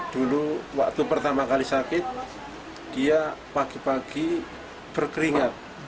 dulu waktu pertama kali sakit dia pagi pagi berkeringat